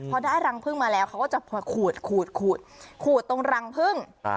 พอได้รังพึ่งมาแล้วเขาก็จะมาขูดขูดตรงรังพึ่ง